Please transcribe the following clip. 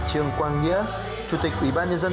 trương quang nghĩa chủ tịch ủy ban nhân dân